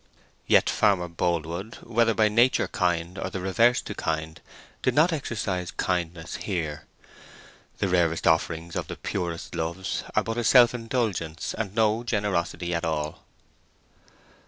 Yet Farmer Boldwood, whether by nature kind or the reverse to kind, did not exercise kindness here. The rarest offerings of the purest loves are but a self indulgence, and no generosity at all.